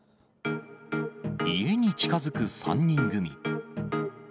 家に近づく３人組。